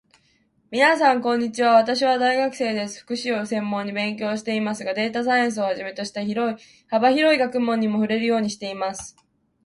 みなさん、こんにちは。私は大学生です。福祉を専門に勉強していますが、データサイエンスをはじめとした幅広い学問にも触れるようにしています。